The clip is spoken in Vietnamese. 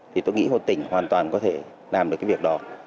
thì tôi nghĩ một tỉnh hoàn toàn có thể làm được cái việc đó